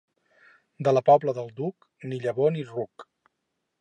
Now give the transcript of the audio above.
De la Pobla del Duc, ni llavor ni ruc.